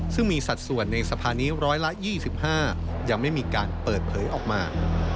ซึ่งมีสัดส่วนในสภานี้ร้อยละ๒๕ยังไม่มีการเปิดเผยออกมา